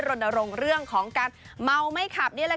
รณรงค์เรื่องของการเมาไม่ขับ